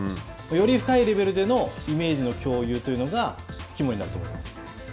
より深いレベルでのイメージの共有というのが肝になると思います。